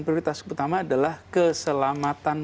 prioritas utama adalah keselamatan